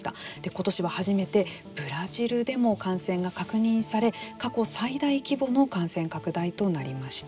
今年は初めてブラジルでも感染が確認され過去最大規模の感染拡大となりました。